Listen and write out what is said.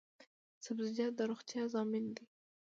سبزیجات د روغتیا ضامن دي